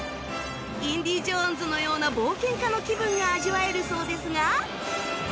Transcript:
『インディ・ジョーンズ』のような冒険家の気分が味わえるそうですが